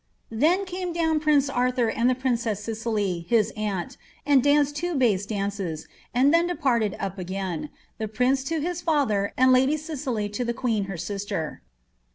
^ Then came down prince Arthur and the princess Cicely his aunt, *^aiid danced two bass dances, and then departed up again, the prince to kii &ther and lady Cicely to the queen her sister.''